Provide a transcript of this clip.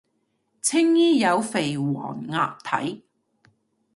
青衣有肥黃鴨睇